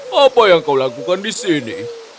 pus apa yang kau lakukan disini